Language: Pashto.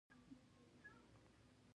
هغه د سید علي ترمذي زوی وو.